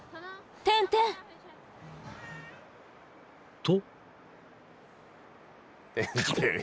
［と］